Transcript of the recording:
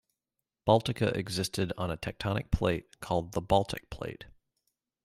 Baltica existed on a tectonic plate called the Baltic Plate.